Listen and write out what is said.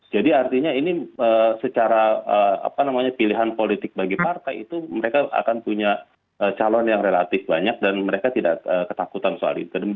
jadi artinya ini secara pilihan politik bagi partai itu mereka akan punya calon yang relatif banyak dan mereka tidak ketakutan soal itu